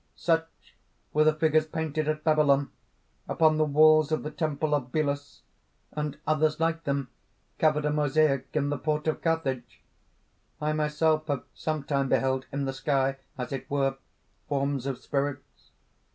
] "Such were the figures painted at Babylon upon the walls of the temple of Belus; and others like them covered a mosaic in the port of Carthage. I myself have sometime beheld in the sky, as it were, forms of spirits.